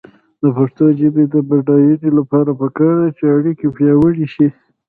د پښتو ژبې د بډاینې لپاره پکار ده چې اړیکې پیاوړې شي.